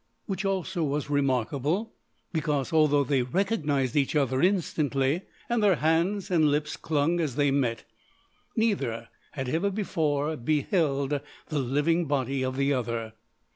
Which, also, was remarkable, because, although they recognised each other instantly, and their hands and lips clung as they met, neither had ever before beheld the living body of the other.